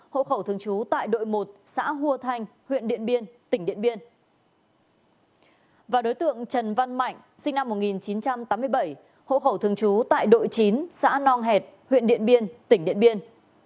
hộ khẩu thường trú tại đội chín xã nong hẹt huyện điện biên tỉnh điện biên